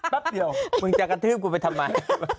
แป๊บเดียวมึงจะกระทืบกูไปทำไม